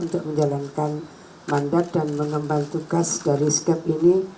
untuk menjalankan mandat dan mengemban tugas dari skep ini